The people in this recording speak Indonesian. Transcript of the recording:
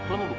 lu mau bukti